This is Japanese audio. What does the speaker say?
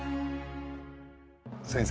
先生